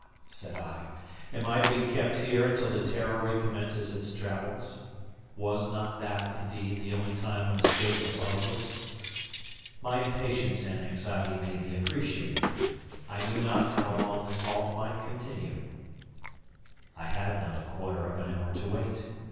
said I, "am I to be kept here until the 'Terror' recommences its travels?" Was not that, indeed, the only time when escape was hopeless? My impatience and anxiety may be appreciated. I knew not how long this halt might continue. I had not a quarter of an hour to wait.